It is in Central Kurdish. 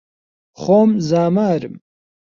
خۆم زامارم